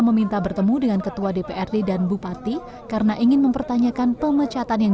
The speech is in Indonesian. meminta bertemu dengan ketua dprd dan bupati karena ingin mempertanyakan pemecatan yang